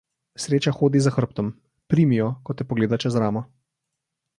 Sreča hodi za hrbtom; primi jo, ko te pogleda čez ramo.